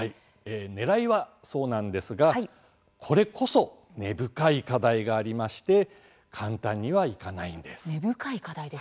ねらいはそうなんですがこれこそ根深い課題がありまして簡単にはいかないんです。